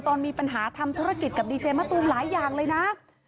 ตอนมีปัญหาทำธุรกิจกับดีเจมะตูมหลายอย่างเลยนะ